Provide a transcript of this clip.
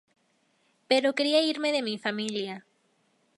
Pero quería irme de mi familia.